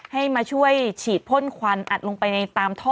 ให้มาช่วยฉีดพ่นควันอัดลงไปในตามท่อ